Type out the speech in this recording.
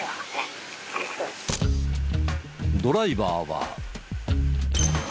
ドライバーは。